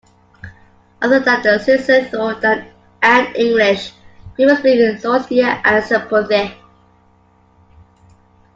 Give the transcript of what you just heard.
Other than Sesotho and English, people speak Xhosa and Sephuthi.